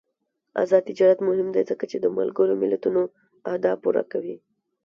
آزاد تجارت مهم دی ځکه چې د ملګرو ملتونو اهداف پوره کوي.